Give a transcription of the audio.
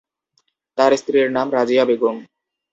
তার স্ত্রীর নাম রাজিয়া বেগম।